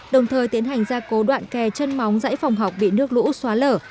đồng thời tiến hành gia cố đoạn kè chân móng giải phòng học bị nước lũ xóa lở